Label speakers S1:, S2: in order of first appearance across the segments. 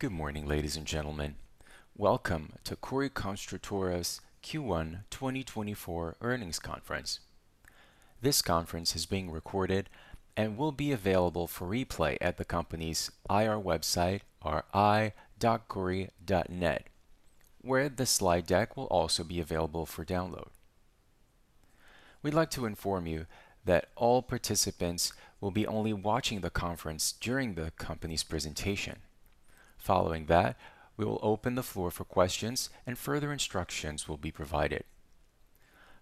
S1: Good morning, ladies and gentlemen. Welcome to Cury Construtora's Q1 2024 earnings conference. This conference is being recorded and will be available for replay at the company's IR website, ri.cury.net, where the slide deck will also be available for download. We'd like to inform you that all participants will be only watching the conference during the company's presentation. Following that, we will open the floor for questions and further instructions will be provided.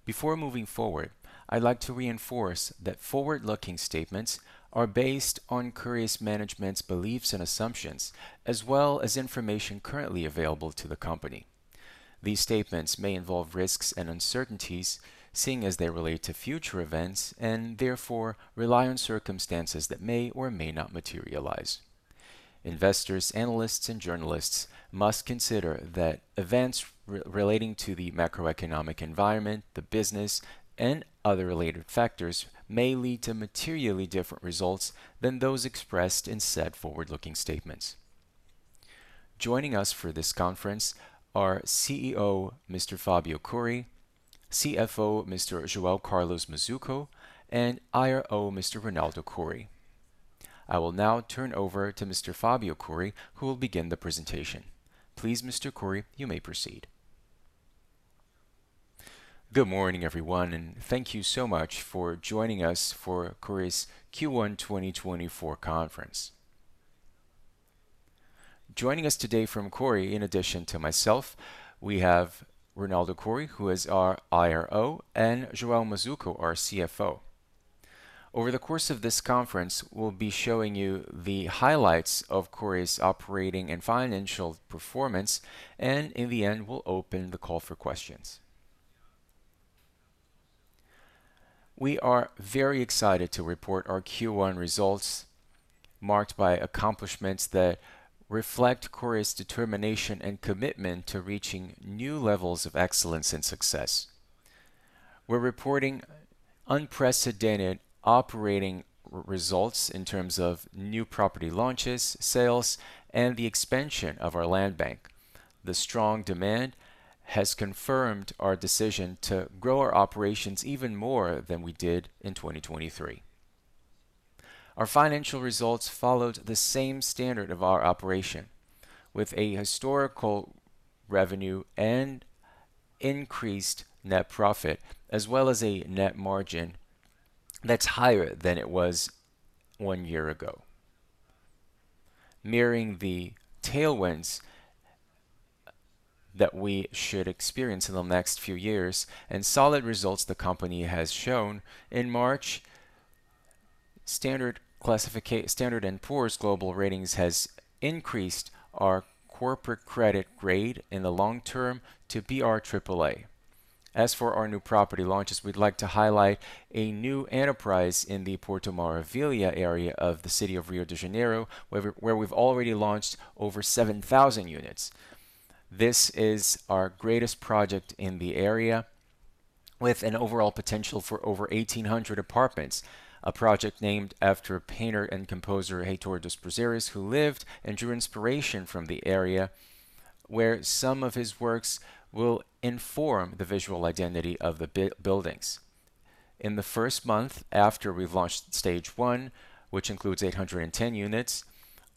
S1: Before moving forward, I'd like to reinforce that forward-looking statements are based on Cury's management's beliefs and assumptions, as well as information currently available to the company. These statements may involve risks and uncertainties, seeing as they relate to future events and, therefore, rely on circumstances that may or may not materialize. Investors, analysts, and journalists must consider that events relating to the macroeconomic environment, the business, and other related factors may lead to materially different results than those expressed in said forward-looking statements. Joining us for this conference are CEO Mr. Fábio Cury, CFO Mr. João Carlos Mazzuco, and IRO Mr. Ronaldo Cury. I will now turn over to Mr. Fábio Cury, who will begin the presentation. Please, Mr. Cury, you may proceed.
S2: Good morning, everyone, and thank you so much for joining us for Cury's Q1 2024 conference. Joining us today from Cury, in addition to myself, we have Ronaldo Cury, who is our IRO, and João Mazzuco, our CFO. Over the course of this conference, we'll be showing you the highlights of Cury's operating and financial performance, and in the end we'll open the call for questions. We are very excited to report our Q1 results, marked by accomplishments that reflect Cury's determination and commitment to reaching new levels of excellence and success. We're reporting unprecedented operating results in terms of new property launches, sales, and the expansion of our land bank. The strong demand has confirmed our decision to grow our operations even more than we did in 2023. Our financial results followed the same standard of our operation, with a historical revenue and increased net profit, as well as a net margin that's higher than it was one year ago. Mirroring the tailwinds that we should experience in the next few years and solid results the company has shown, in March, Standard and Poor's Global Ratings has increased our corporate credit grade in the long term to brAAA. As for our new property launches, we'd like to highlight a new enterprise in the Porto Maravilha area of the city of Rio de Janeiro, where we've already launched over 7,000 units. This is our greatest project in the area, with an overall potential for over 1,800 apartments, a project named after painter and composer Heitor dos Prazeres, who lived and drew inspiration from the area, where some of his works will inform the visual identity of the buildings. In the first month after we've launched stage 1, which includes 810 units,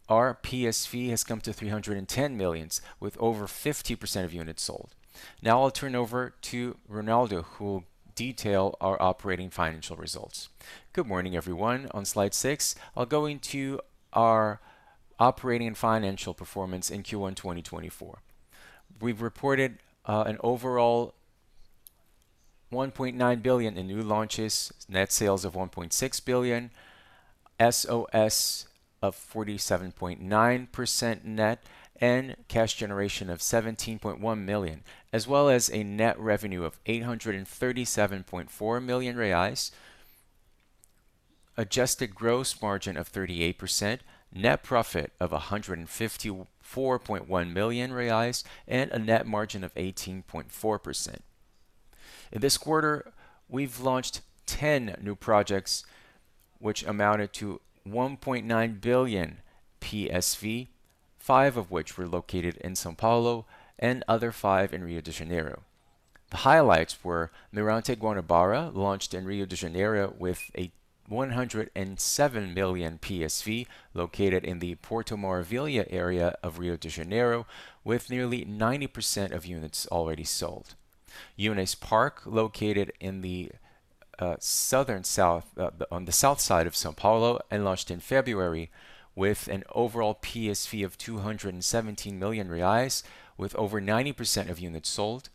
S2: our PSV has come to 310 million, with over 50% of units sold. Now I'll turn over to Ronaldo, who will detail our operating financial results.
S3: Good morning, everyone. On slide six, I'll go into our operating and financial performance in Q1 2024. We've reported an overall 1.9 billion in new launches, net sales of 1.6 billion, SOS of 47.9% net, and cash generation of 17.1 million, as well as a net revenue of 837.4 million reais, adjusted gross margin of 38%, net profit of 154.1 million reais, and a net margin of 18.4%. In this quarter, we've launched 10 new projects, which amounted to 1.9 billion PSV, five of which were located in São Paulo and other five in Rio de Janeiro. The highlights were Mirante Guanabara, launched in Rio de Janeiro with a 107 million PSV, located in the Porto Maravilha area of Rio de Janeiro, with nearly 90% of units already sold. Yunes Park, located in the Southern side of São Paulo and launched in February with an overall PSV of 217 million reais, with over 90% of units sold.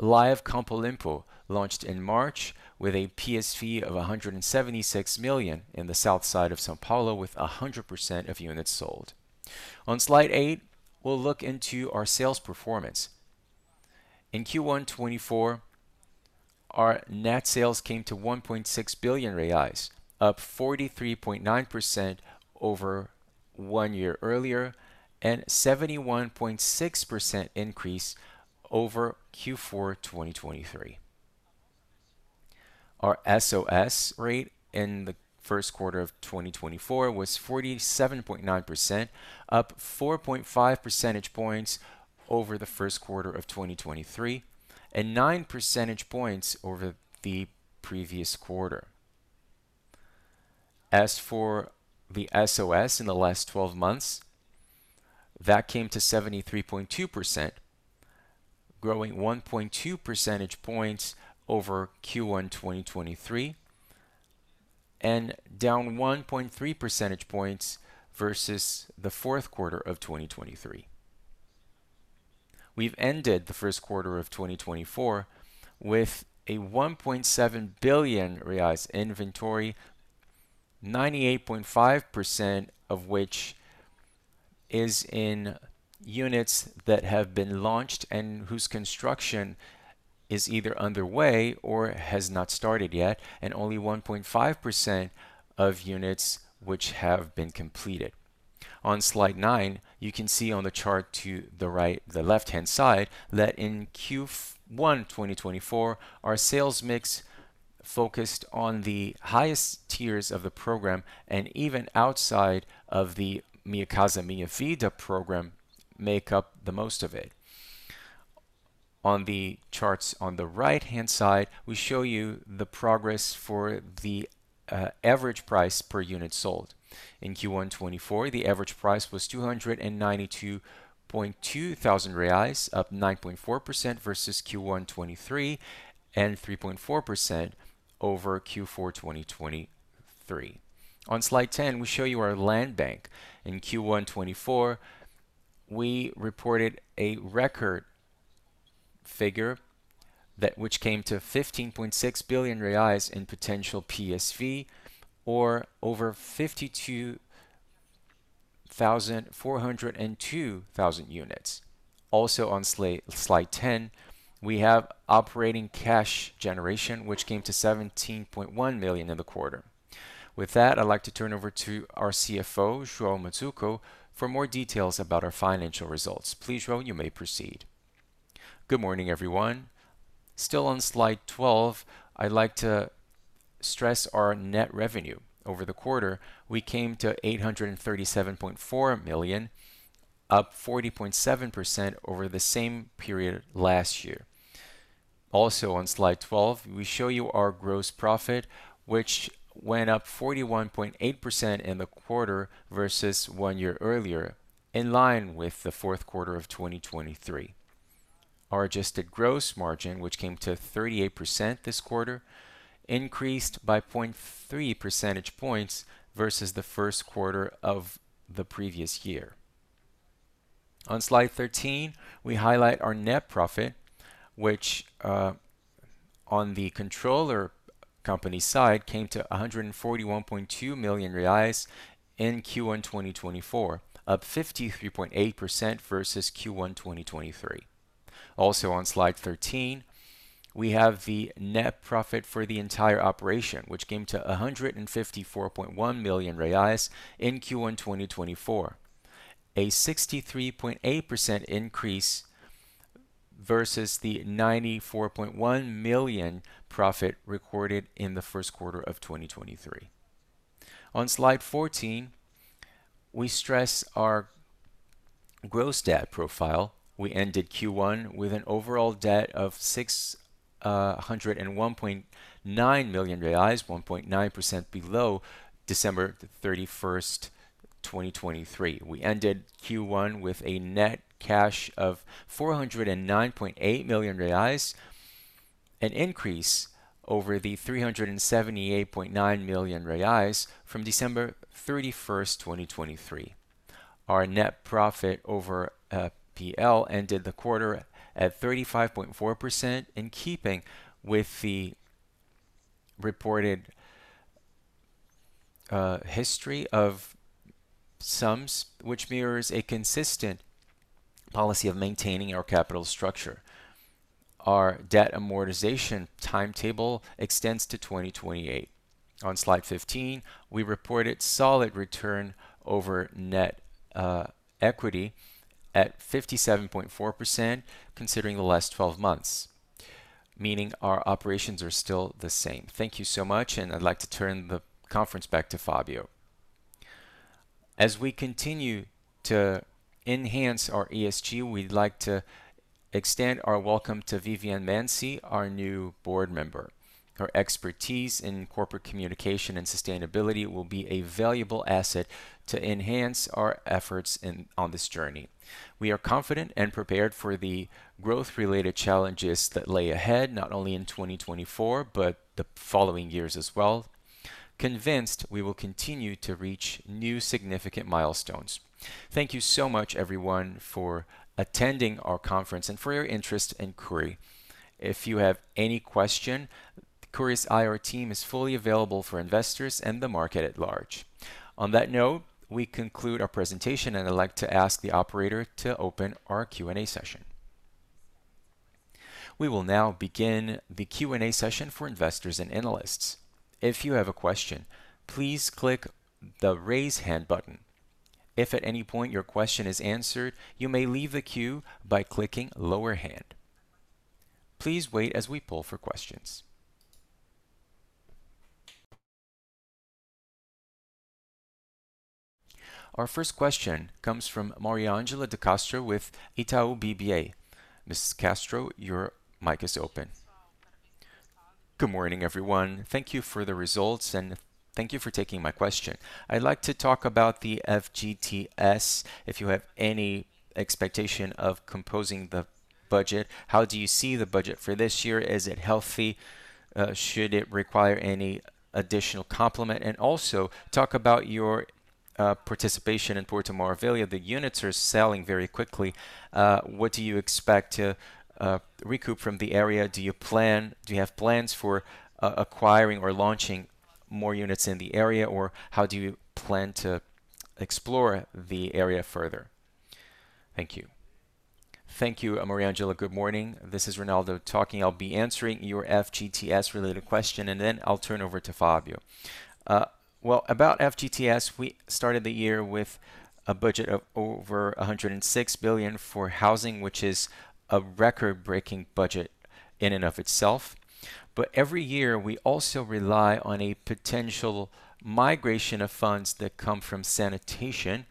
S3: Live Campo Limpo, launched in March with a PSV of 176 million in the South side of São Paulo with 100% of units sold. On slide eight, we'll look into our sales performance. In Q1 2024, our net sales came to 1.6 billion reais, up 43.9% over one year earlier and 71.6% increase over Q4 2023. Our SOS rate in the first quarter of 2024 was 47.9%, up 4.5 percentage points over the first quarter of 2023 and 9 percentage points over the previous quarter. As for the SOS in the last 12 months, that came to 73.2%, growing 1.2 percentage points over Q1 2023 and down 1.3 percentage points versus the fourth quarter of 2023. We've ended the first quarter of 2024 with a 1.7 billion reais inventory, 98.5% of which is in units that have been launched and whose construction is either underway or has not started yet, and only 1.5% of units which have been completed. On slide nine, you can see on the chart to the left-hand side that in Q1 2024, our sales mix focused on the highest tiers of the program, and even outside of the Minha Casa, Minha Vida program make up the most of it. On the charts on the right-hand side, we show you the progress for the average price per unit sold. In Q1 2024, the average price was 292.2 thousand reais, up 9.4% versus Q1 2023 and 3.4% over Q4 2023. On slide 10, we show you our land bank. In Q1 2024, we reported a record figure which came to 15.6 billion reais in potential PSV, or over 52,402 units. Also on slide 10, we have operating cash generation, which came to 17.1 million in the quarter. With that, I'd like to turn over to our CFO, João Mazzuco, for more details about our financial results. Please, João, you may proceed.
S4: Good morning, everyone. Still on slide 12, I'd like to stress our net revenue. Over the quarter, we came to 837.4 million, up 40.7% over the same period last year. Also on slide 12, we show you our gross profit, which went up 41.8% in the quarter versus one year earlier, in line with the fourth quarter of 2023. Our adjusted gross margin, which came to 38% this quarter, increased by 0.3 percentage points versus the first quarter of the previous year. On slide 13, we highlight our net profit, which on the controller company side came to 141.2 million reais in Q1 2024, up 53.8% versus Q1 2023. Also on slide 13, we have the net profit for the entire operation, which came to 154.1 million reais in Q1 2024, a 63.8% increase versus the 94.1 million profit recorded in the first quarter of 2023. On slide 14, we stress our gross debt profile. We ended Q1 with an overall debt of 601.9 million reais, 1.9% below December 31st, 2023. We ended Q1 with a net cash of 409.8 million reais, an increase over the 378.9 million reais from December 31st, 2023. Our net profit over P/L ended the quarter at 35.4%, in keeping with the reported history of sums, which mirrors a consistent policy of maintaining our capital structure. Our debt amortization timetable extends to 2028. On slide 15, we reported solid return over net equity at 57.4%, considering the last 12 months, meaning our operations are still the same. Thank you so much, and I'd like to turn the conference back to Fábio.
S2: As we continue to enhance our ESG, we'd like to extend our welcome to Viviane Mansi, our new board member. Her expertise in corporate communication and sustainability will be a valuable asset to enhance our efforts on this journey. We are confident and prepared for the growth-related challenges that lay ahead, not only in 2024 but the following years as well, convinced we will continue to reach new significant milestones. Thank you so much, everyone, for attending our conference and for your interest in Cury. If you have any question, Cury's IRO team is fully available for investors and the market at large. On that note, we conclude our presentation, and I'd like to ask the operator to open our Q&A session.
S1: We will now begin the Q&A session for investors and analysts. If you have a question, please click the raise hand button. If at any point your question is answered, you may leave the queue by clicking lower hand. Please wait as we poll for questions. Our first question comes from Mariangela de Castro with Itaú BBA. Ms. Castro, your mic is open.
S5: Good morning, everyone. Thank you for the results, and thank you for taking my question. I'd like to talk about the FGTS, if you have any expectation of composing the budget. How do you see the budget for this year? Is it healthy? Should it require any additional complement? And also, talk about your participation in Porto Maravilha. The units are selling very quickly. What do you expect to recoup from the area? Do you have plans for acquiring or launching more units in the area, or how do you plan to explore the area further? Thank you.
S3: Thank you, Mariangela. Good morning. This is Ronaldo talking. I'll be answering your FGTS-related question, and then I'll turn over to Fábio. Well, about FGTS, we started the year with a budget of over 106 billion for housing, which is a record-breaking budget in and of itself. But every year, we also rely on a potential migration of funds that come from sanitation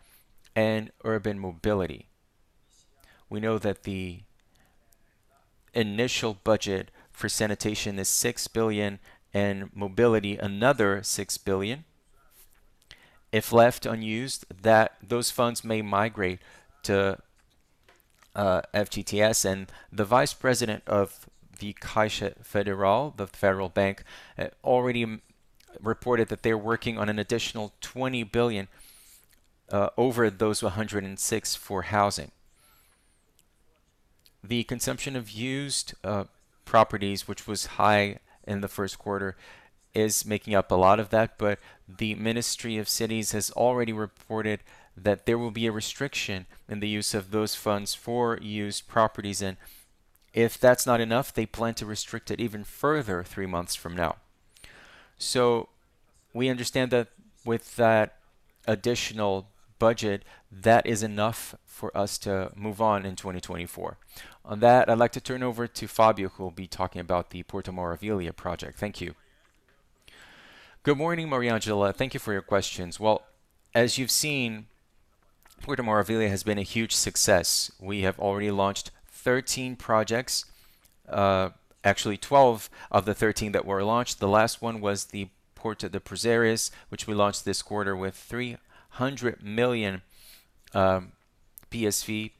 S3: and urban mobility. We know that the initial budget for sanitation is 6 billion and mobility, another 6 billion. If left unused, those funds may migrate to FGTS. The Vice President of the Caixa Federal, the federal bank, already reported that they're working on an additional 20 billion over those 106 billion for housing. The consumption of used properties, which was high in the first quarter, is making up a lot of that. The Ministry of Cities has already reported that there will be a restriction in the use of those funds for used properties. If that's not enough, they plan to restrict it even further three months from now. We understand that with that additional budget, that is enough for us to move on in 2024. On that, I'd like to turn over to Fábio, who will be talking about the Porto Maravilha project. Thank you.
S2: Good morning, Mariangela. Thank you for your questions. Well, as you've seen, Porto Maravilha has been a huge success. We have already launched 13 projects, actually, 12 of the 13 that were launched. The last one was the Heitor dos Prazeres, which we launched this quarter with 300 million PSV.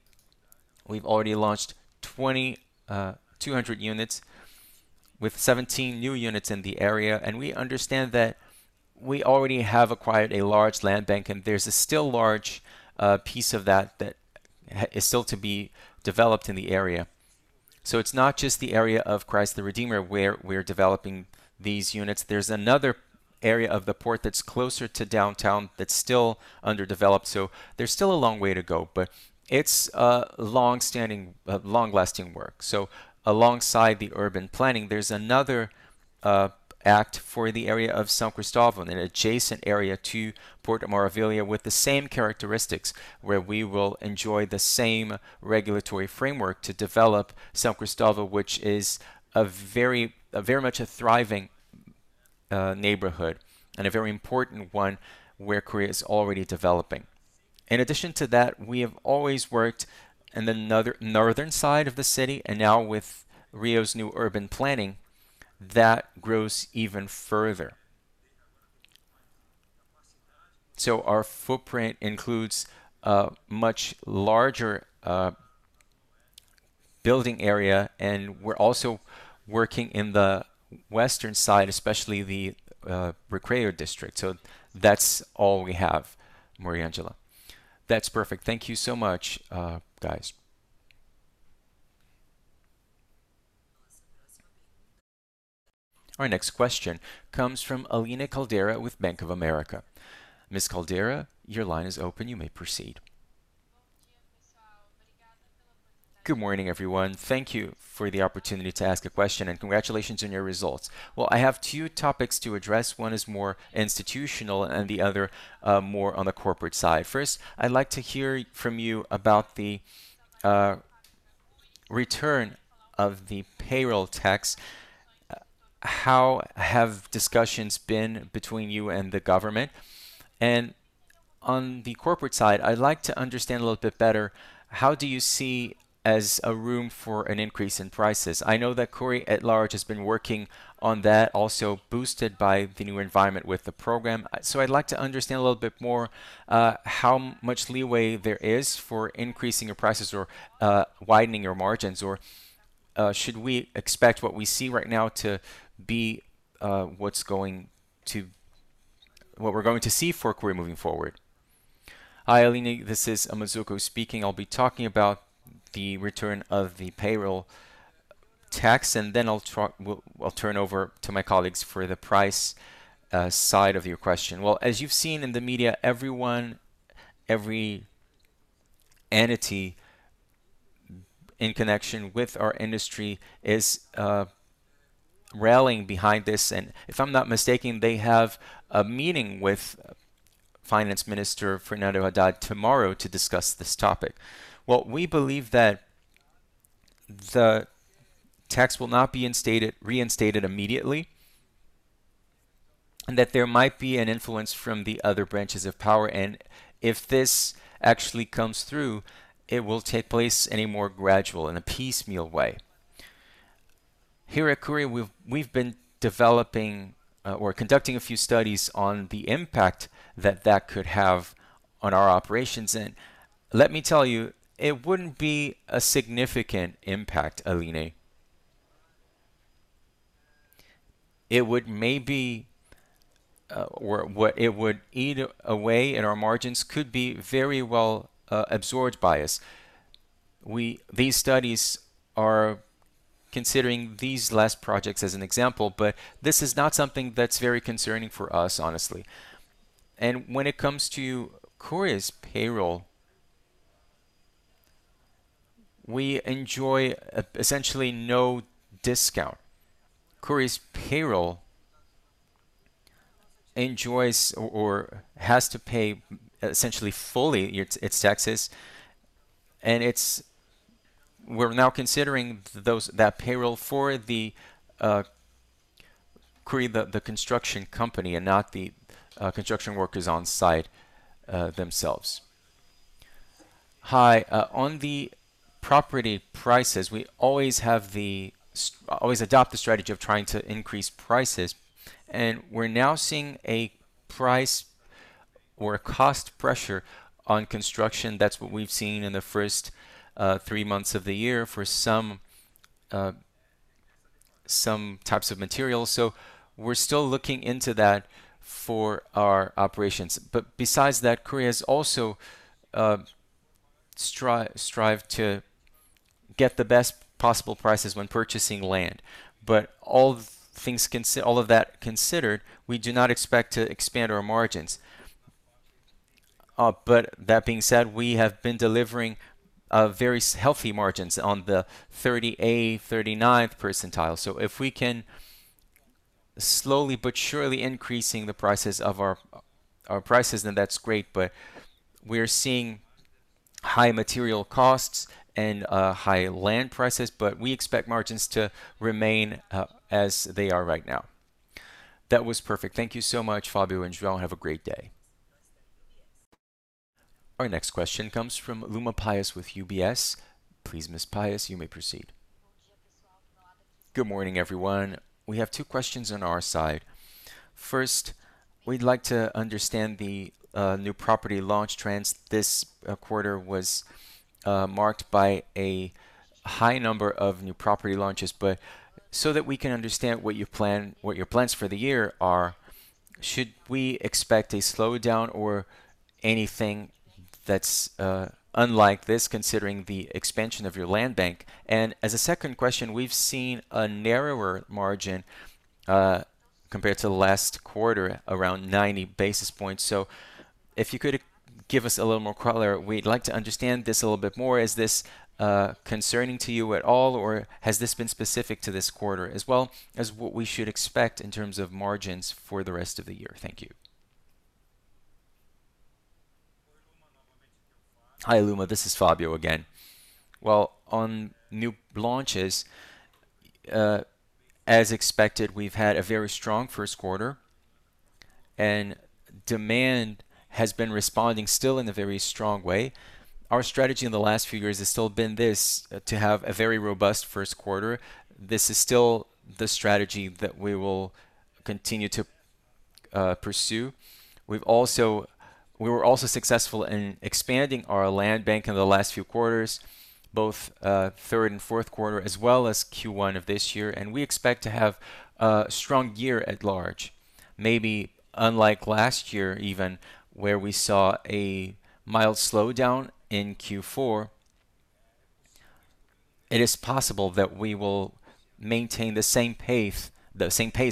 S2: We've already launched 200 units, with 17 new units in the area. And we understand that we already have acquired a large land bank, and there's a still large piece of that that is still to be developed in the area. So it's not just the area of Christ the Redeemer where we're developing these units. There's another area of the port that's closer to downtown that's still underdeveloped. So there's still a long way to go, but it's long-lasting work. So alongside the urban planning, there's another act for the area of São Cristóvão, an adjacent area to Porto Maravilha with the same characteristics, where we will enjoy the same regulatory framework to develop São Cristóvão, which is very much a thriving neighborhood and a very important one where Cury is already developing. In addition to that, we have always worked in the Northern side of the city, and now with Rio's new urban planning, that grows even further. So our footprint includes a much larger building area, and we're also working in the Western side, especially the Recreio district. So that's all we have, Mariangela.
S5: That's perfect. Thank you so much, guys.
S1: Our next question comes from Aline Caldeira with Bank of America. Ms. Caldeira, your line is open. You may proceed.
S6: Good morning, everyone. Thank you for the opportunity to ask a question, and congratulations on your results. Well, I have two topics to address. One is more institutional, and the other more on the corporate side. First, I'd like to hear from you about the return of the payroll tax. How have discussions been between you and the government? And on the corporate side, I'd like to understand a little bit better, how do you see a room for an increase in prices? I know that Cury at large has been working on that, also boosted by the new environment with the program. So I'd like to understand a little bit more how much leeway there is for increasing your prices or widening your margins, or should we expect what we see right now to be what we're going to see for Cury moving forward?
S4: Hi, Aline. This is Mazzuco speaking. I'll be talking about the return of the payroll tax, and then I'll turn over to my colleagues for the price side of your question. Well, as you've seen in the media, every entity in connection with our industry is rallying behind this. And if I'm not mistaken, they have a meeting with Finance Minister Fernando Haddad tomorrow to discuss this topic. Well, we believe that the tax will not be reinstated immediately and that there might be an influence from the other branches of power. And if this actually comes through, it will take place in a more gradual and a piecemeal way. Here at Cury, we've been conducting a few studies on the impact that that could have on our operations. And let me tell you, it wouldn't be a significant impact, Aline. It would maybe eat away at our margins, could be very well absorbed by us. These studies are considering these last projects as an example, but this is not something that's very concerning for us, honestly. And when it comes to Cury's payroll, we enjoy essentially no discount. Cury's payroll has to pay essentially fully its taxes. And we're now considering that payroll for Cury, the construction company, and not the construction workers on site themselves.
S2: Hi. On the property prices, we always adopt the strategy of trying to increase prices. And we're now seeing a cost pressure on construction. That's what we've seen in the first three months of the year for some types of materials. So we're still looking into that for our operations. But besides that, Cury has also strived to get the best possible prices when purchasing land. But all of that considered, we do not expect to expand our margins. But that being said, we have been delivering very healthy margins on the 38th, 39th percentile. So if we can slowly but surely increase the prices of our prices, then that's great. But we're seeing high material costs and high land prices, but we expect margins to remain as they are right now.
S6: That was perfect. Thank you so much, Fábio and João. Have a great day.
S1: Our next question comes from Luma Pais] with UBS. Please, Ms. Pais, you may proceed.
S7: Good morning, everyone. We have two questions on our side. First, we'd like to understand the new property launch trends. This quarter was marked by a high number of new property launches. But so that we can understand what your plans for the year are, should we expect a slowdown or anything that's unlike this, considering the expansion of your land bank? As a second question, we've seen a narrower margin compared to the last quarter, around 90 basis points. If you could give us a little more clarity, we'd like to understand this a little bit more. Is this concerning to you at all, or has this been specific to this quarter as well as what we should expect in terms of margins for the rest of the year? Thank you.
S2: Hi, Luma. This is Fábio again. Well, on new launches, as expected, we've had a very strong first quarter, and demand has been responding still in a very strong way. Our strategy in the last few years has still been this: to have a very robust first quarter. This is still the strategy that we will continue to pursue. We were also successful in expanding our land bank in the last few quarters, both third and fourth quarter, as well as Q1 of this year. We expect to have a strong year at large, maybe unlike last year even, where we saw a mild slowdown in Q4. It is possible that we will maintain the same pace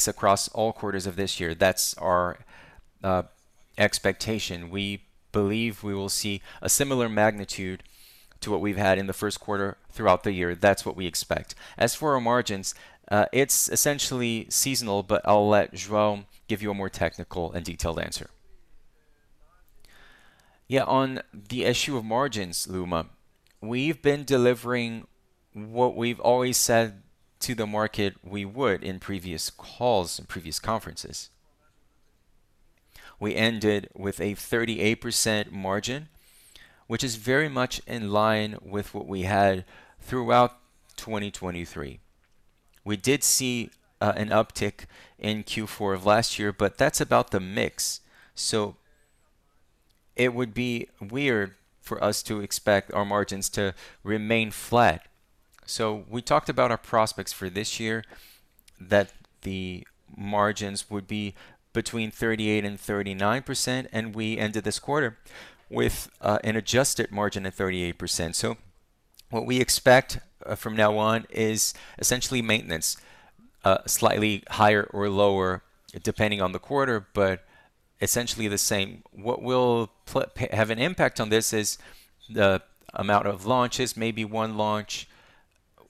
S2: across all quarters of this year. That's our expectation. We believe we will see a similar magnitude to what we've had in the first quarter throughout the year. That's what we expect. As for our margins, it's essentially seasonal, but I'll let João give you a more technical and detailed answer.
S4: Yeah. On the issue of margins, Luma, we've been delivering what we've always said to the market we would in previous calls, in previous conferences. We ended with a 38% margin, which is very much in line with what we had throughout 2023. We did see an uptick in Q4 of last year, but that's about the mix. It would be weird for us to expect our margins to remain flat. We talked about our prospects for this year, that the margins would be between 38% and 39%. We ended this quarter with an adjusted margin of 38%. What we expect from now on is essentially maintenance, slightly higher or lower depending on the quarter, but essentially the same. What will have an impact on this is the amount of launches, maybe one launch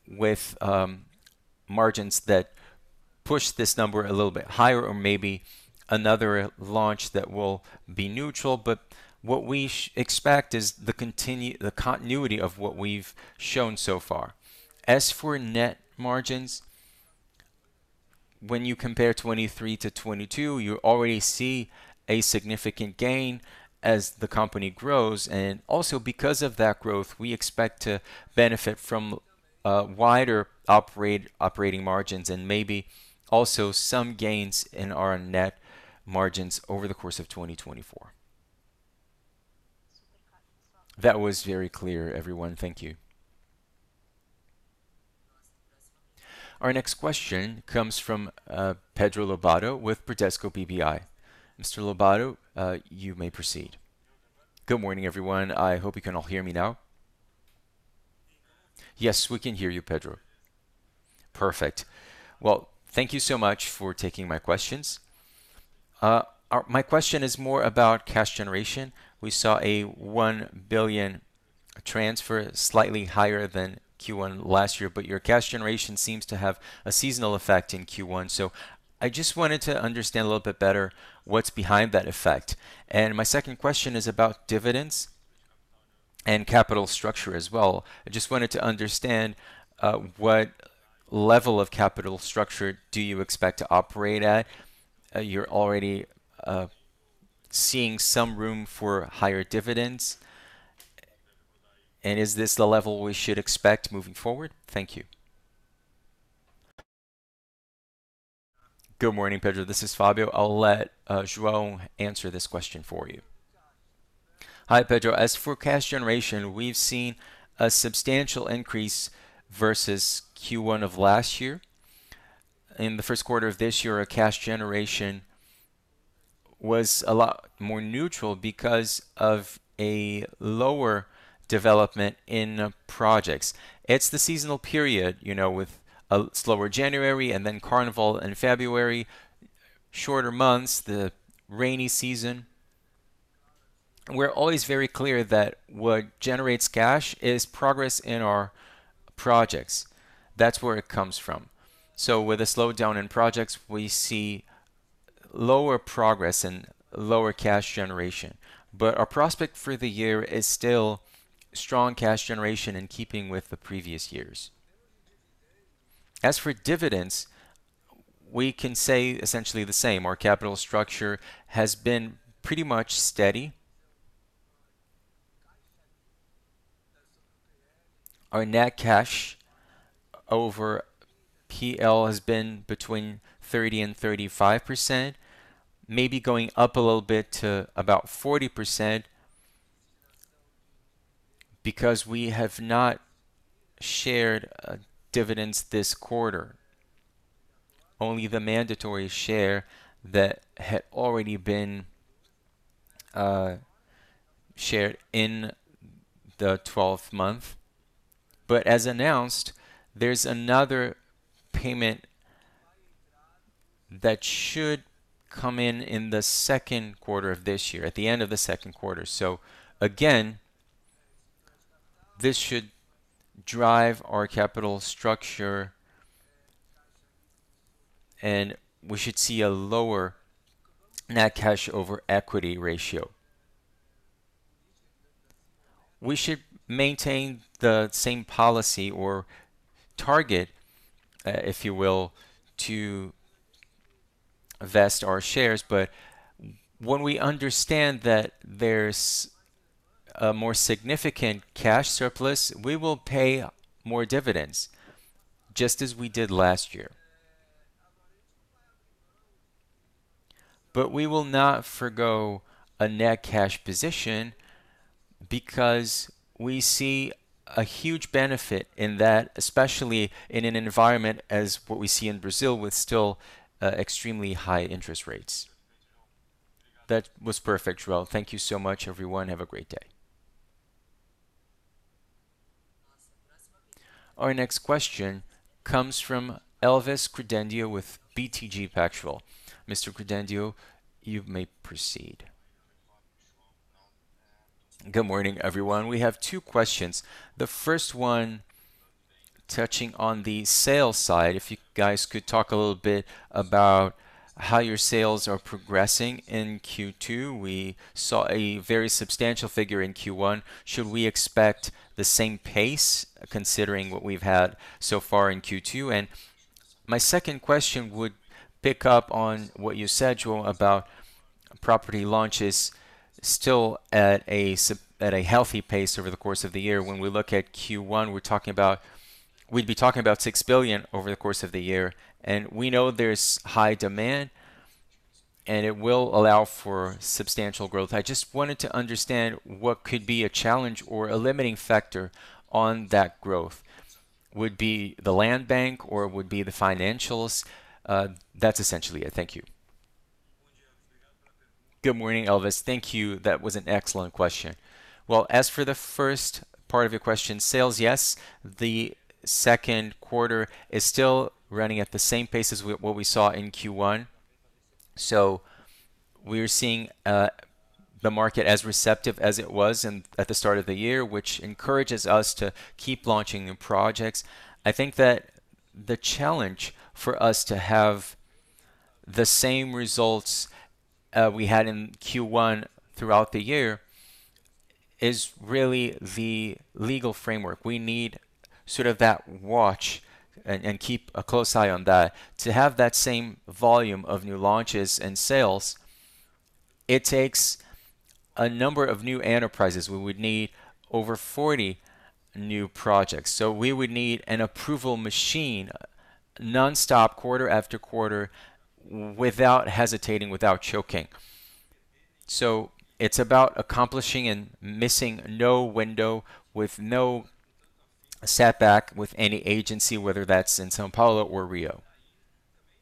S4: with margins that push this number a little bit higher, or maybe another launch that will be neutral. What we expect is the continuity of what we've shown so far. As for net margins, when you compare 2023 to 2022, you already see a significant gain as the company grows. Also because of that growth, we expect to benefit from wider operating margins and maybe also some gains in our net margins over the course of 2024.
S7: That was very clear, everyone. Thank you.
S1: Our next question comes from Pedro Lobato with Bradesco BBI. Mr. Lobato, you may proceed.
S8: Good morning, everyone. I hope you can all hear me now.
S2: Yes, we can hear you, Pedro.
S8: Perfect. Well, thank you so much for taking my questions. My question is more about cash generation. We saw a $1 billion transfer, slightly higher than Q1 last year, but your cash generation seems to have a seasonal effect in Q1. I just wanted to understand a little bit better what's behind that effect. My second question is about dividends and capital structure as well. I just wanted to understand, what level of capital structure do you expect to operate at? You're already seeing some room for higher dividends. Is this the level we should expect moving forward? Thank you.
S2: Good morning, Pedro. This is Fábio. I'll let João answer this question for you.
S4: Hi, Pedro. As for cash generation, we've seen a substantial increase versus Q1 of last year. In the first quarter of this year, cash generation was a lot more neutral because of a lower development in projects. It's the seasonal period with a slower January and then carnival in February, shorter months, the rainy season. We're always very clear that what generates cash is progress in our projects. That's where it comes from. So with a slowdown in projects, we see lower progress and lower cash generation. But our prospect for the year is still strong cash generation in keeping with the previous years. As for dividends, we can say essentially the same. Our capital structure has been pretty much steady. Our net cash over P/L has been between 30% and 35%, maybe going up a little bit to about 40% because we have not shared dividends this quarter, only the mandatory share that had already been shared in the 12th month. But as announced, there's another payment that should come in in the second quarter of this year, at the end of the second quarter. So again, this should drive our capital structure, and we should see a lower net cash over equity ratio. We should maintain the same policy or target, if you will, to vest our shares. But when we understand that there's a more significant cash surplus, we will pay more dividends just as we did last year. But we will not forgo a net cash position because we see a huge benefit in that, especially in an environment as what we see in Brazil with still extremely high interest rates.
S8: That was perfect, João. Thank you so much, everyone. Have a great day.
S1: Our next question comes from Elvis Credendio with BTG Pactual. Mr. Credendio, you may proceed.
S9: Good morning, everyone. We have two questions. The first one touching on the sales side. If you guys could talk a little bit about how your sales are progressing in Q2. We saw a very substantial figure in Q1. Should we expect the same pace considering what we've had so far in Q2? My second question would pick up on what you said, João, about property launches still at a healthy pace over the course of the year. When we look at Q1, we'd be talking about 6 billion over the course of the year. And we know there's high demand, and it will allow for substantial growth. I just wanted to understand what could be a challenge or a limiting factor on that growth. Would it be the land bank, or would it be the financials? That's essentially it. Thank you.
S2: Good morning, Elvis. Thank you. That was an excellent question. Well, as for the first part of your question, sales, yes. The second quarter is still running at the same pace as what we saw in Q1. So we're seeing the market as receptive as it was at the start of the year, which encourages us to keep launching new projects. I think that the challenge for us to have the same results we had in Q1 throughout the year is really the legal framework. We need sort of that watch and keep a close eye on that. To have that same volume of new launches and sales, it takes a number of new enterprises. We would need over 40 new projects. So we would need an approval machine nonstop, quarter after quarter, without hesitating, without choking. So it's about accomplishing and missing no window with no setback with any agency, whether that's in São Paulo or Rio.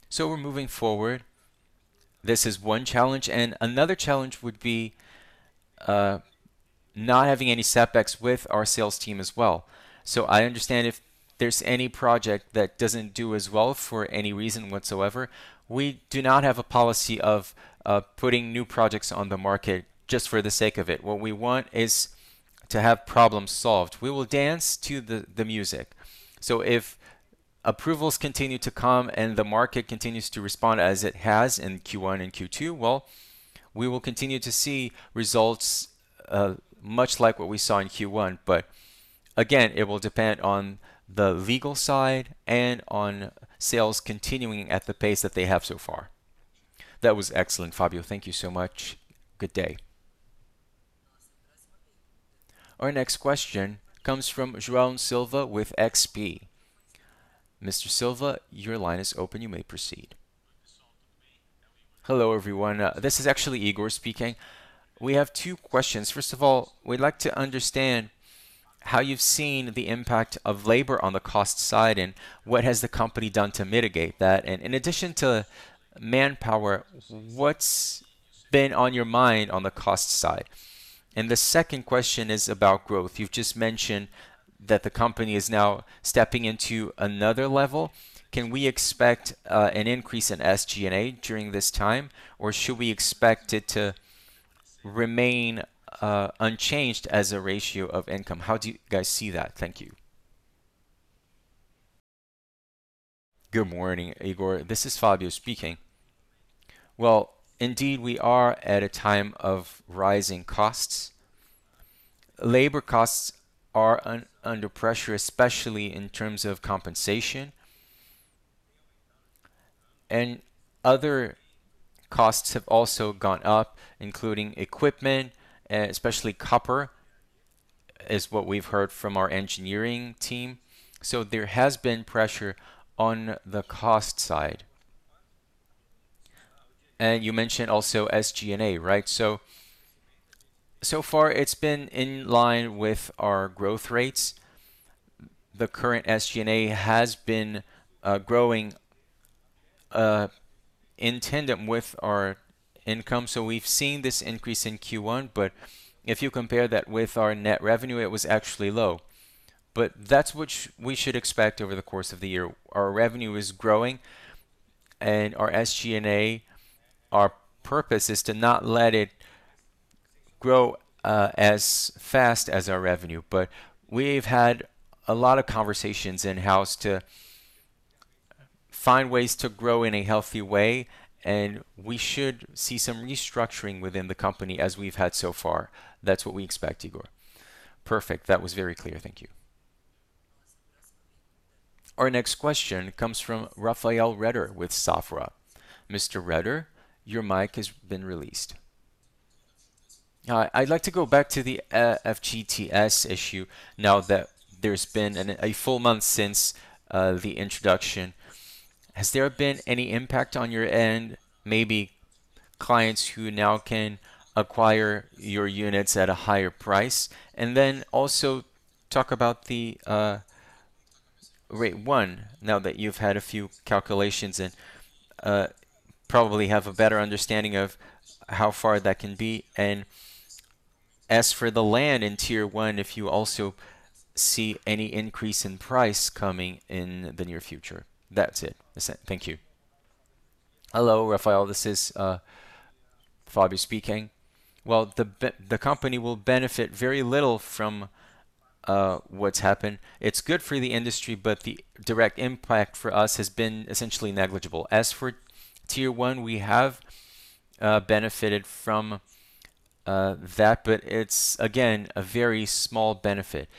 S2: So we're moving forward. This is one challenge. And another challenge would be not having any setbacks with our sales team as well. So I understand if there's any project that doesn't do as well for any reason whatsoever, we do not have a policy of putting new projects on the market just for the sake of it. What we want is to have problems solved. We will dance to the music. So if approvals continue to come and the market continues to respond as it has in Q1 and Q2, well, we will continue to see results much like what we saw in Q1. But again, it will depend on the legal side and on sales continuing at the pace that they have so far.
S9: That was excellent, Fábio. Thank you so much. Good day.
S1: Our next question comes from João Silva with XP. Mr. Silva, your line is open. You may proceed.
S10: Hello, everyone. This is actually Ygor speaking. We have two questions. First of all, we'd like to understand how you've seen the impact of labor on the cost side, and what has the company done to mitigate that? And in addition to manpower, what's been on your mind on the cost side? And the second question is about growth. You've just mentioned that the company is now stepping into another level. Can we expect an increase in SG&A during this time, or should we expect it to remain unchanged as a ratio of income? How do you guys see that? Thank you.
S2: Good morning, Ygor. This is Fábio speaking. Well, indeed, we are at a time of rising costs. Labor costs are under pressure, especially in terms of compensation. And other costs have also gone up, including equipment, especially copper, is what we've heard from our engineering team. So there has been pressure on the cost side. You mentioned also SG&A, right? So far, it's been in line with our growth rates. The current SG&A has been growing in tandem with our income. We've seen this increase in Q1. If you compare that with our net revenue, it was actually low. That's what we should expect over the course of the year. Our revenue is growing, and our SG&A, our purpose is to not let it grow as fast as our revenue. We've had a lot of conversations in-house to find ways to grow in a healthy way, and we should see some restructuring within the company as we've had so far. That's what we expect, Ygor.
S10: Perfect. That was very clear. Thank you.
S1: Our next question comes from Rafael Rehder with Safra. Mr. Rehder, your mic has been released.
S11: I'd like to go back to the FGTS issue now that there's been a full month since the introduction. Has there been any impact on your end, maybe clients who now can acquire your units at a higher price? And then also talk about the Tier 1 now that you've had a few calculations and probably have a better understanding of how far that can be. And as for the land in Tier 1, if you also see any increase in price coming in the near future. That's it. Thank you.
S2: Hello, Rafael. This is Fábio speaking. Well, the company will benefit very little from what's happened. It's good for the industry, but the direct impact for us has been essentially negligible. As for Tier 1, we have benefited from that, but it's, again, a very small benefit.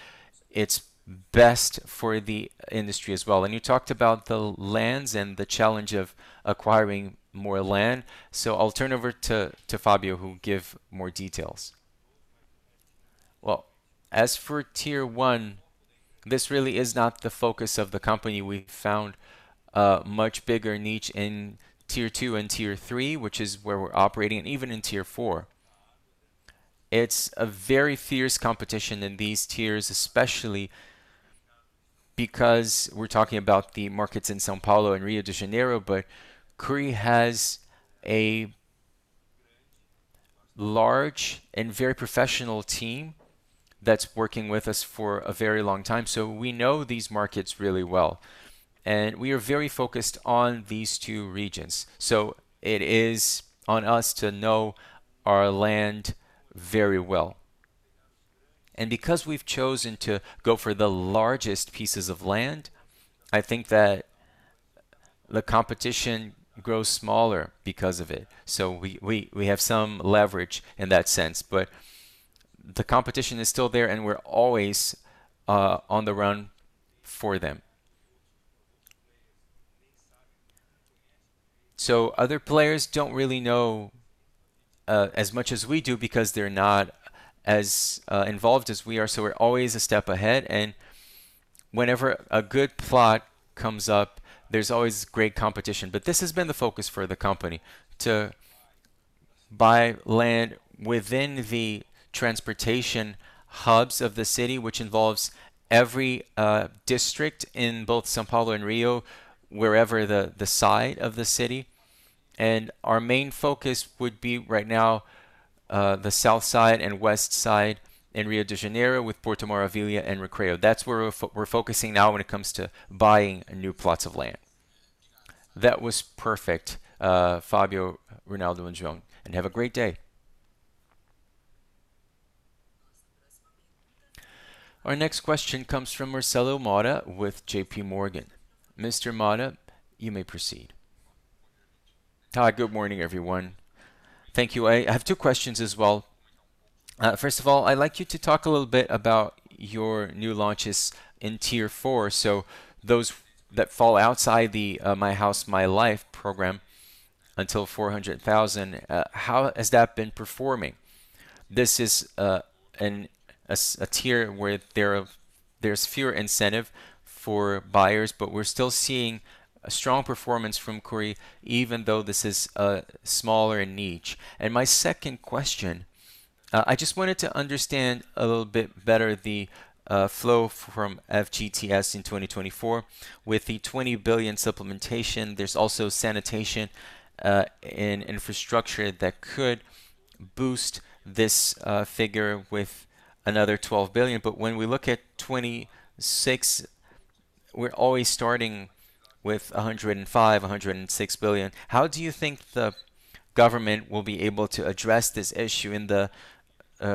S2: It's best for the industry as well. You talked about the lands and the challenge of acquiring more land. So I'll turn over to [Fábio] who will give more details.
S3: Well, as for Tier 1, this really is not the focus of the company. We found a much bigger niche in Tier 2 and Tier 3, which is where we're operating, and even in Tier 4. It's a very fierce competition in these tiers, especially because we're talking about the markets in São Paulo and Rio de Janeiro. But Cury has a large and very professional team that's working with us for a very long time. So we know these markets really well, and we are very focused on these two regions. So it is on us to know our land very well. And because we've chosen to go for the largest pieces of land, I think that the competition grows smaller because of it. So we have some leverage in that sense. But the competition is still there, and we're always on the run for them.
S4: So other players don't really know as much as we do because they're not as involved as we are. So we're always a step ahead. And whenever a good plot comes up, there's always great competition. But this has been the focus for the company, to buy land within the transportation hubs of the city, which involves every district in both São Paulo and Rio, wherever the side of the city. And our main focus would be right now the South side and West side in Rio de Janeiro with Porto Maravilha and Recreio. That's where we're focusing now when it comes to buying new plots of land.
S11: That was perfect, Fábio, Ronaldo, and João. And have a great day.
S1: Our next question comes from Marcelo Motta with JPMorgan. Mr. Motta, you may proceed.
S12: Hi. Good morning, everyone. Thank you. I have two questions as well. First of all, I'd like you to talk a little bit about your new launches in Tier 4. So those that fall outside the My House, My Life program until $400,000, how has that been performing? This is a tier where there's fewer incentives for buyers, but we're still seeing a strong performance from Cury, even though this is smaller in niche. And my second question, I just wanted to understand a little bit better the flow from FGTS in 2024. With the $20 billion supplementation, there's also sanitation and infrastructure that could boost this figure with another $12 billion. But when we look at 2026, we're always starting with $105 billion, $106 billion. How do you think the government will be able to address this issue in the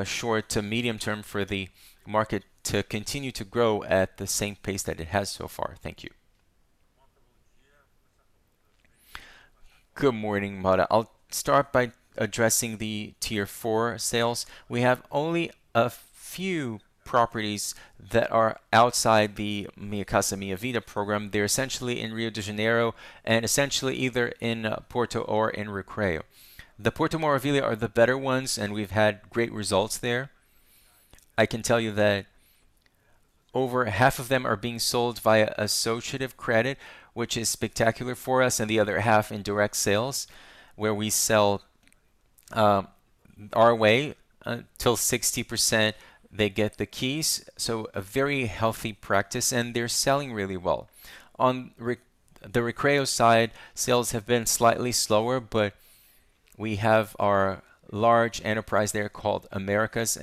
S12: short to medium-term for the market to continue to grow at the same pace that it has so far? Thank you.
S2: Good morning, Motta. I'll start by addressing the Tier 4 sales. We have only a few properties that are outside the Minha Casa, Minha Vida program. They're essentially in Rio de Janeiro and essentially either in Porto or in Recreio. The Porto Maravilha are the better ones, and we've had great results there. I can tell you that over half of them are being sold via associative credit, which is spectacular for us, and the other half in direct sales where we sell our way. Until 60%, they get the keys. So a very healthy practice, and they're selling really well. On the Recreio side, sales have been slightly slower, but we have our large enterprise there called Americas.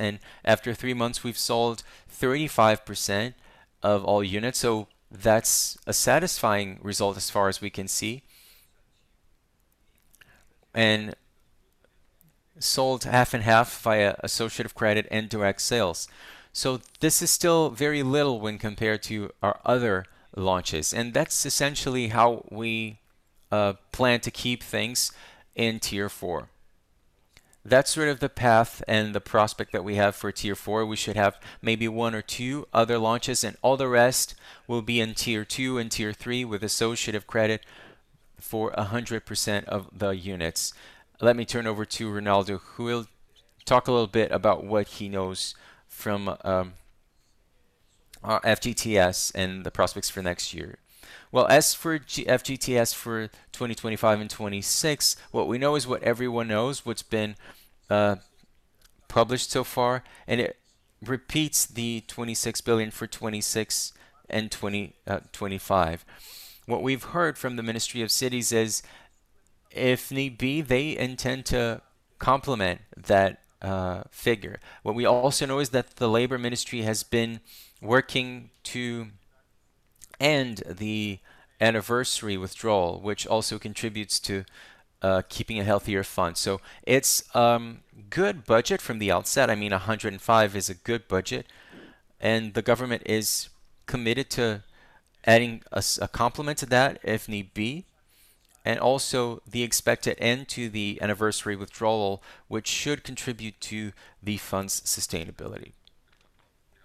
S2: After three months, we've sold 35% of all units. So that's a satisfying result as far as we can see. Sold 50/50 via associative credit and direct sales. So this is still very little when compared to our other launches. That's essentially how we plan to keep things in Tier 4. That's sort of the path and the prospect that we have for Tier 4. We should have maybe one or two other launches, and all the rest will be in Tier 2 and Tier 3 with associative credit for 100% of the units. Let me turn over to Ronaldo, who will talk a little bit about what he knows from FGTS and the prospects for next year.
S3: Well, as for FGTS for 2025 and 2026, what we know is what everyone knows, what's been published so far, and it repeats the $26 billion for 2026 and 2025. What we've heard from the Ministry of Cities is, if need be, they intend to complement that figure. What we also know is that the Labor Ministry has been working to end the anniversary withdrawal, which also contributes to keeping a healthier fund. So it's a good budget from the outset. I mean, $105 billion is a good budget, and the government is committed to adding a complement to that, if need be, and also the expected end to the anniversary withdrawal, which should contribute to the fund's sustainability.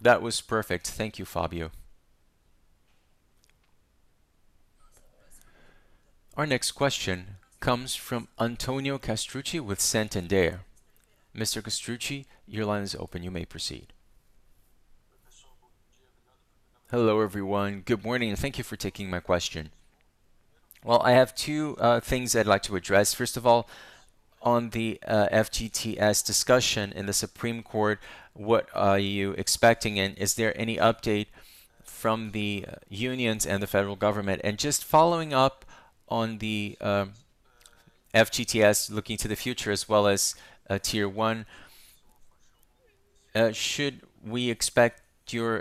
S12: That was perfect. Thank you, Fábio.
S1: Our next question comes from Antonio Castrucci with Santander. Mr. Castrucci, your line is open. You may proceed.
S13: Hello, everyone. Good morning, and thank you for taking my question. Well, I have two things I'd like to address. First of all, on the FGTS discussion in the Supreme Court, what are you expecting? And is there any update from the unions and the federal government? And just following up on the FGTS, looking to the future as well as Tier 1, should we expect you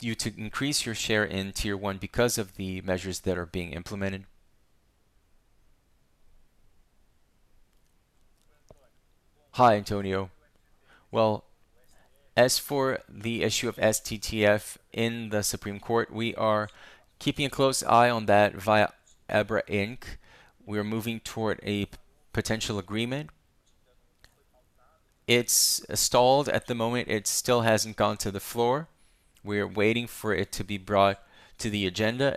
S13: to increase your share in Tier 1 because of the measures that are being implemented?
S3: Hi, Antonio. Well, as for the issue of STF in the Supreme Court, we are keeping a close eye on that via ABRAINC. We are moving toward a potential agreement. It's stalled at the moment. It still hasn't gone to the floor. We're waiting for it to be brought to the agenda.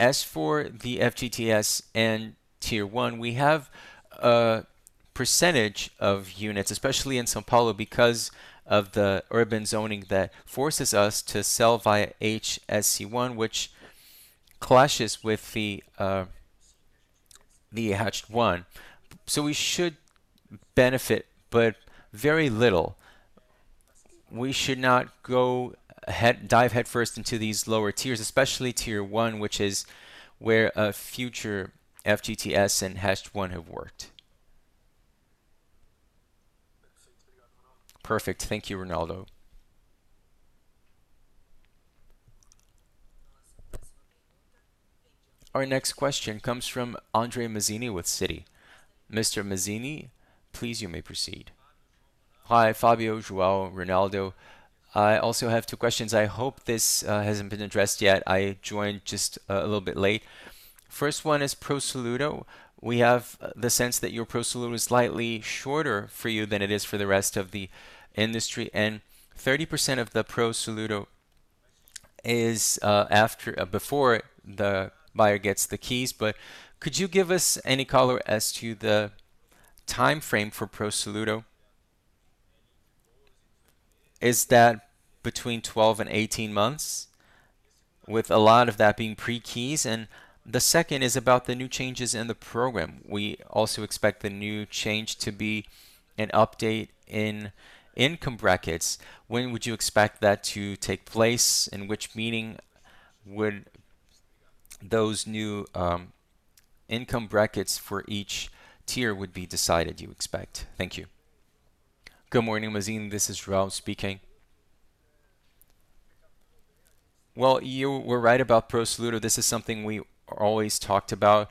S3: As for the FGTS and Tier 1, we have a percentage of units, especially in São Paulo, because of the urban zoning that forces us to sell via HIS 1, which clashes with the Faixa 1. So we should benefit, but very little. We should not go dive headfirst into these lower tiers, especially Tier 1, which is where a future FGTS and Faixa 1 have worked.
S13: Perfect. Thank you, Ronaldo.
S1: Our next question comes from André Mazini with Citi. Mr. Mazini, please, you may proceed.
S14: Hi, Fábio, João, Ronaldo. I also have two questions. I hope this hasn't been addressed yet. I joined just a little bit late. First one is Pro-Soluto. We have the sense that your Pro-Soluto is slightly shorter for you than it is for the rest of the industry. And 30% of the Pro-Soluto is before the buyer gets the keys. But could you give us any color as to the time frame for Pro-Soluto? Is that between 12 and 18 months, with a lot of that being pre-keys? And the second is about the new changes in the program. We also expect the new change to be an update in income brackets. When would you expect that to take place? In which meeting would those new income brackets for each tier be decided, you expect? Thank you.
S4: Good morning, Mazini. This is João speaking. Well, you were right about Pro-Soluto. This is something we always talked about.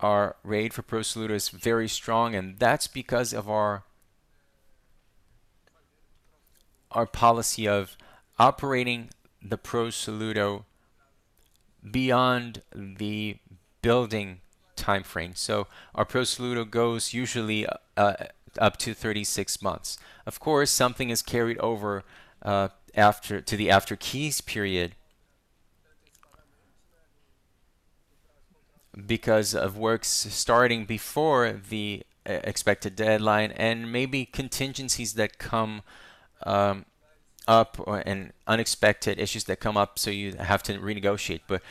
S4: Our rate for Pro-Soluto is very strong, and that's because of our policy of operating the Pro-Soluto beyond the building time frame. So our Pro-Soluto goes usually up to 36 months. Of course, something is carried over to the after keys period because of works starting before the expected deadline and maybe contingencies that come up and unexpected issues that come up, so you have to renegotiate. But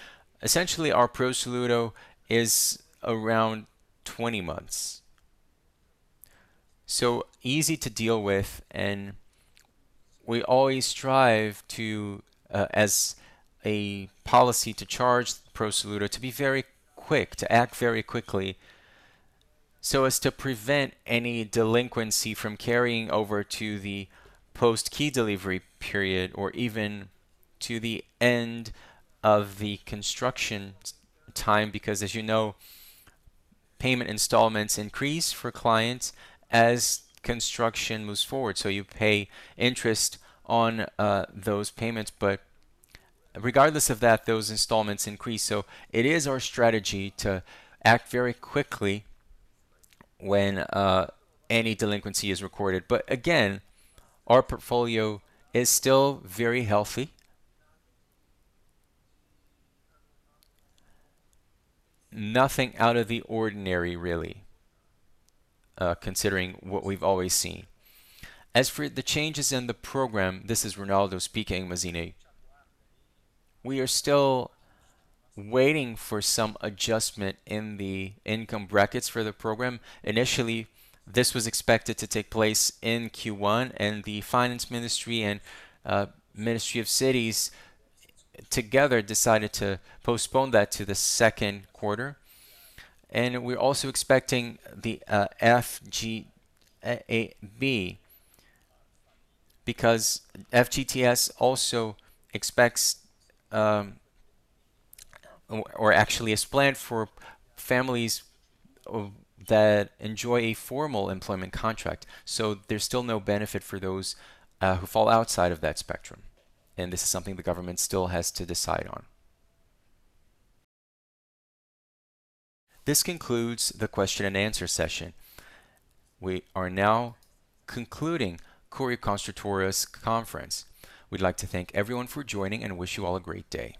S4: essentially, our Pro-Soluto is around 20 months, so easy to deal with. And we always strive to, as a policy to charge Pro-Soluto, to be very quick, to act very quickly so as to prevent any delinquency from carrying over to the post-key delivery period or even to the end of the construction time. Because, as you know, payment installments increase for clients as construction moves forward. So you pay interest on those payments. But regardless of that, those installments increase. So it is our strategy to act very quickly when any delinquency is recorded. But again, our portfolio is still very healthy. Nothing out of the ordinary, really, considering what we've always seen.
S3: As for the changes in the program, this is Ronaldo speaking, Mazini. We are still waiting for some adjustment in the income brackets for the program. Initially, this was expected to take place in Q1, and the Finance Ministry and Ministry of Cities together decided to postpone that to the second quarter. We're also expecting the FGTS because FGTS also expects, or actually is planned for families that enjoy a formal employment contract. There's still no benefit for those who fall outside of that spectrum. This is something the government still has to decide on.
S1: This concludes the question-and-answer session. We are now concluding Cury Construtora's conference. We'd like to thank everyone for joining and wish you all a great day.